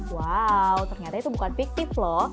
wow ternyata itu bukan piknik lho